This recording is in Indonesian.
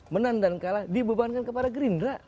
menang dan kalah dibebankan kepada gerindra